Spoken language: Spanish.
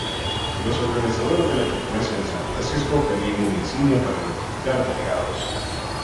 Los organizadores de la conferencia de San Francisco querían una insignia para identificar delegados.